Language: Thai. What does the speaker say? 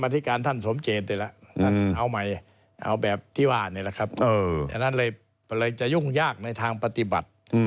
ที่ว่าเนี่ยแหละครับอันนั้นเลยจะยุ่งยากในทางปฏิบัติ